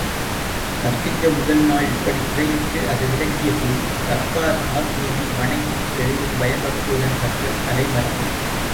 கற்கின்ற முதல் நாள் இப்படித் திரையிட்டு அதை விலக்கியபின், கற்பார் ஆசிரியனை வணங்கிப் பெரிதும் பயபக்தியுடன் கற்றல் கலைமரபு.